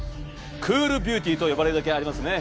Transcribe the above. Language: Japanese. クールビューティーと呼ばれるだけありますね。